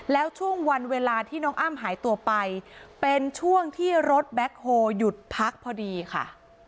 แล้วช่วงวันเวลาที่น้องอ้ำหายตัวไปเป็นช่วงที่รถแบ็คโฮหยุดพักพอดีค่ะ